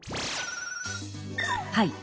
はい。